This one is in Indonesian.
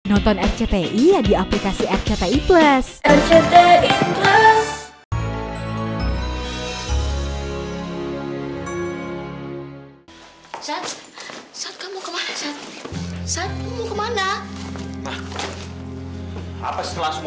nonton rcti ya di aplikasi rcti plus